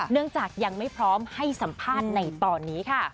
จากยังไม่พร้อมให้สัมภาษณ์ในตอนนี้ค่ะ